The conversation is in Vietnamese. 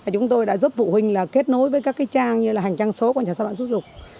chúng tôi đã giúp phụ huynh là kết nối với các trang như là hành trang số của nhà sản phẩm xuất dục